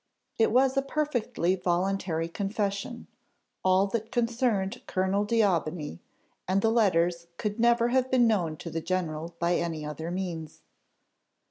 It was a perfectly voluntary confession, all that concerned Colonel D'Aubigny, and the letters could never have been known to the general by any other means.